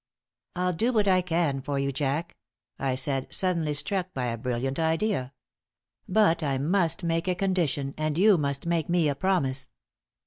"I'll do what I can for you, Jack." I said, suddenly struck by a brilliant idea. "But I must make a condition, and you must make me a promise."